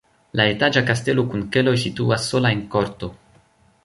La etaĝa kastelo kun keloj situas sola en korto.